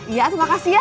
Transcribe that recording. iya terima kasih ya